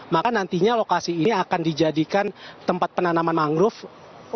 maka nantinya lokasi ini akan dijadikan tempat penanaman mangrove